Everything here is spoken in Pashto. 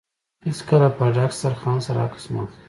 هېڅکله په ډک دوسترخان سره عکس مه اخله.